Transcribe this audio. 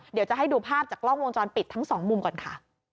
เดี๋ยวจะให้ดูภาพจากกล้องวงจรปิดทั้งสองมุมก่อนค่ะ